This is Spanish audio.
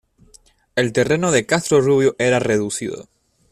El terreno de Castro Rubio era reducido.